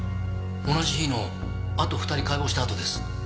同じ日のあと２人解剖したあとです。